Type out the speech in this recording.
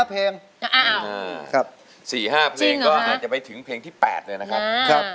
๔๕เพลงก็อาจจะไปถึงเพลงที่๘เลยนะครับ